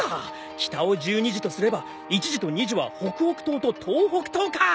北を１２時とすれば１時と２時は北北東と東北東か。